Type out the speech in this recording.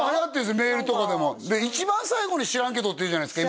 メールとかでも一番最後に「知らんけど」って言うじゃないですか